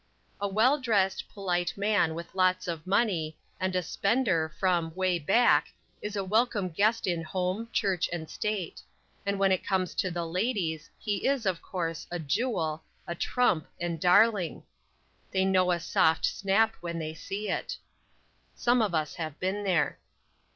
A well dressed, polite man, with lots of money, and a "spender" from "way back" is a welcome guest in home, church and state; and when it comes to the "ladies," he is, of course, "a jewel," "a trump" and "darling." They know a "soft snap" when they see it. Some of us have been there.